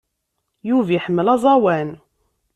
Yuba iḥemmel aẓawan.